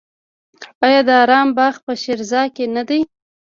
آیا د ارم باغ په شیراز کې نه دی؟